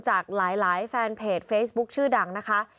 จากหลายแฟนเพจเฟซบุ๊คชื่อดังนะคะ